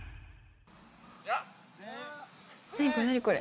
何これ？